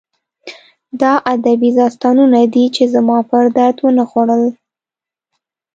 دا ادبي داستانونه دي چې زما په درد ونه خوړل